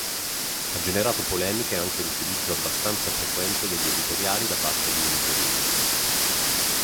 Ha generato polemiche anche l'utilizzo abbastanza frequente degli editoriali da parte di Minzolini.